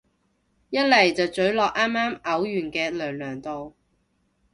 一嚟就咀落啱啱嘔完嘅娘娘度